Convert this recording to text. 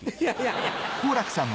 いやいや。